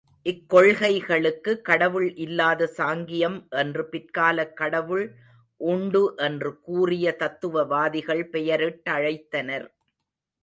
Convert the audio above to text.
இக்கொள்கைக்கு கடவுள் இல்லாத சாங்கியம் என்று பிற்கால கடவுள் உண்டு என்று கூறிய தத்துவவாதிகள் பெயரிட்டழைத்தனர்.